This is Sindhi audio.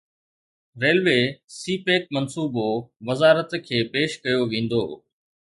ريلوي سي پيڪ منصوبو وزارت کي پيش ڪيو ويندو